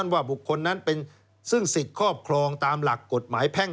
ว่าบุคคลนั้นเป็นซึ่งสิทธิ์ครอบครองตามหลักกฎหมายแพ่ง